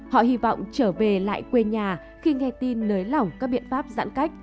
họ hy vọng trở về lại quê nhà khi nghe tin nới lỏng các biện pháp giãn cách